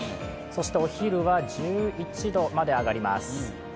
お昼は１１度まで上がります。